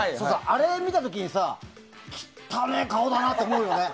あれを見た時にさ汚ねえ顔だなって思うよね。